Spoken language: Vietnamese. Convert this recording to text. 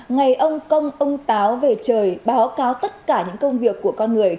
ngày ông công ông táo về trời báo cáo tất cả những công việc của con người